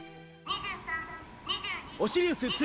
・オシリウス２